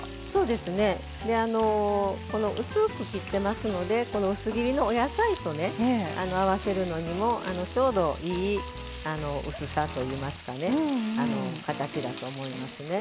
であの薄く切ってますのでこの薄切りのお野菜とね合わせるのにもちょうどいい薄さといいますかね形だと思いますね。